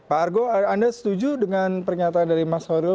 pak argo anda setuju dengan pernyataan dari mas horil